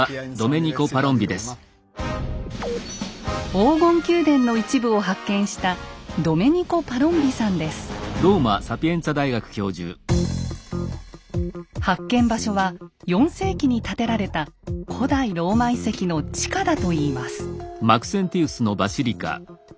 黄金宮殿の一部を発見した発見場所は４世紀に建てられた古代ローマ遺跡の地下だといいます。